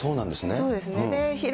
そうですね。